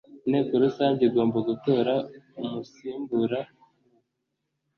inteko rusange igomba gutora umusimbura mu